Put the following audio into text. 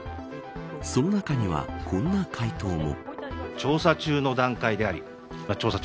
その中には、こんな回答も。